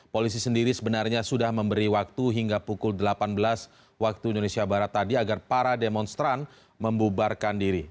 polisi sendiri sebenarnya sudah memberi waktu hingga pukul delapan belas waktu indonesia barat tadi agar para demonstran membubarkan diri